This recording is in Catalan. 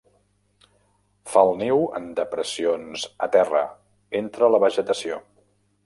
Fa el niu en depressions a terra, entre la vegetació.